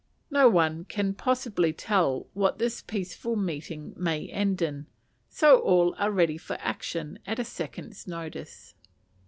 No one can possibly tell what this peaceful meeting may end in, so all are ready for action at a second's notice.